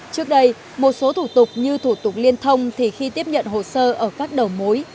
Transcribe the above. trước đây một số thủ tục như thủ tục liên thông thì khi tiếp nhận hồ sơ ở các đầu mối